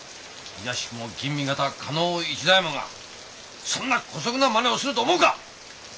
いやしくも吟味方加納市左衛門がそんな姑息なまねをすると思うか！